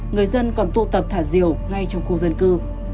người dân còn tu tập thả diều ngay trong khu dân cư